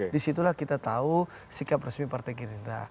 disitulah kita tahu sikap resmi partai gerindra